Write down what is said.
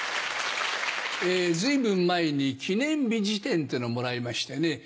随分前に記念日事典っていうのをもらいましてね